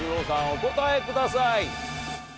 お答えください。